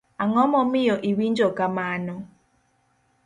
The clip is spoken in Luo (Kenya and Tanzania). Ang'o momiyo iwinjo kamano?